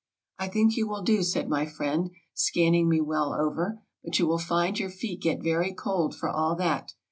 " I think you will do," said my friend, scanning me well over; " but you will find your feet get very cold, for all that.